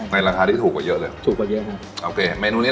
ในราคาที่ถูกกว่าเยอะเลย